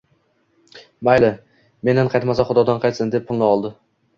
Mayli, mendan qaytmasa Xudodan qaytsin, deb pulni oldi